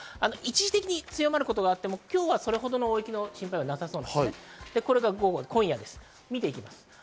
一時的に強まることがあっても、今日はそれほどの大雪の心配はなさそうです。